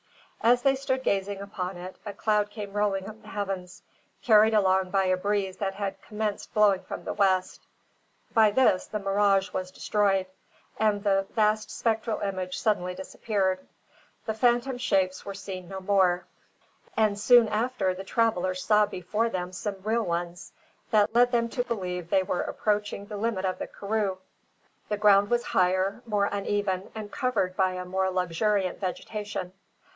As they stood gazing upon it, a cloud came rolling up the heavens, carried along by a breeze that had commenced blowing from the west. By this the mirage was destroyed, and the vast spectral image suddenly disappeared. The phantom shapes were seen no more; and soon after the travellers saw before them some real ones, that led them to believe they were approaching the limit of the karroo. The ground was higher, more uneven, and covered by a more luxuriant vegetation.